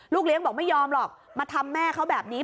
เลี้ยงบอกไม่ยอมหรอกมาทำแม่เขาแบบนี้